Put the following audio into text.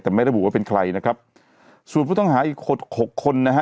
แต่ไม่ระบุว่าเป็นใครนะครับส่วนผู้ต้องหาอีกหกหกคนนะฮะ